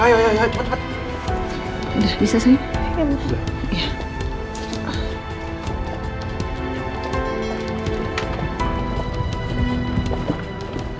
iya udah sini